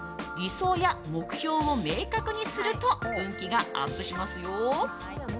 理想や目標を明確にすると運気がアップしますよ。